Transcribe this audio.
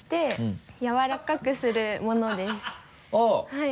はい。